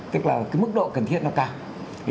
tức là cái mức độ cần thiết nó cao